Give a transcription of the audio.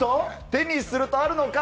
手にすると、あるのか？